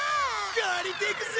借りていくぜ！